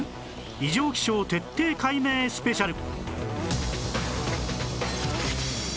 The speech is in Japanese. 異常気象徹底解明スペシャル